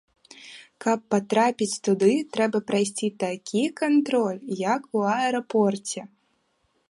Каб патрапіць туды, трэба прайсці такі кантроль, як у аэрапорце.